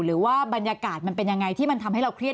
หรือว่าบรรยากาศมันเป็นยังไงที่มันทำให้เราเครียด